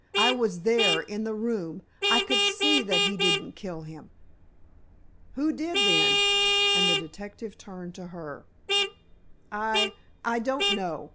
"I was there, in the room—I could see that he didn't kill him!" "Who did then?" and the detective turned to her. "I—I don't know.